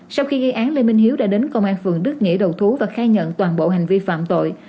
sau khi gây án lê minh hiếu đã đến công an phường đức nghĩa đầu thú và khai nhận toàn bộ hành vi phạm tội